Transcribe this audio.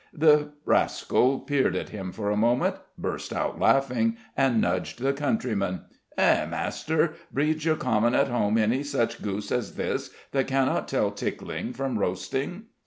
The rascal peered at him for a moment, burst out laughing, and nudged the countryman. "Hi, master! Breeds your common at home any such goose as this, that cannot tell tickling from roasting?"